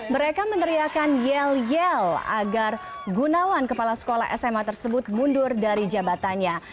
mereka meneriakan yel yel agar gunawan kepala sekolah sma tersebut mundur dari jabatannya